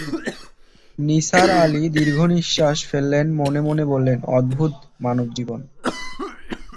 নিসার আলি দীর্ঘনিঃশ্বাস ফেললেন-মনে-মনে বললেন, অদ্ভুত মানবজীবন।